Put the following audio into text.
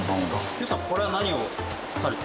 清さんこれは何をされて？